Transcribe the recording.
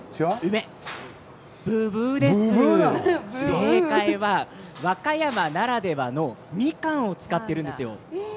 正解は和歌山ならではのみかんを使っているんです。